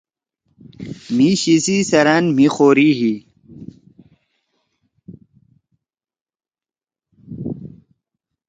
مھی شی سی سیرأن مھی خوری ہی۔